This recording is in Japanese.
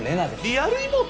リアル妹⁉